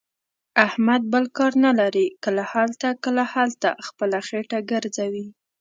احمد بل کار نه لري. کله هلته، کله هلته، خپله خېټه ګرځوي.